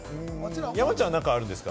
山ちゃん、何かあるんですか？